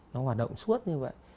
nó hoạt động suốt như vậy